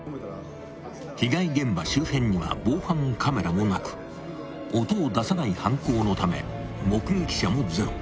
［被害現場周辺には防犯カメラもなく音を出さない犯行のため目撃者もゼロ］